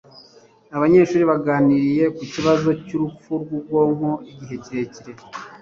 abanyeshuri baganiriye ku kibazo cyurupfu rwubwonko igihe kirekire